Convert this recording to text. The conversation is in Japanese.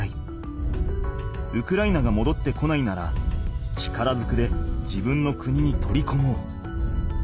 ウクライナがもどってこないなら力ずくで自分の国に取りこもう。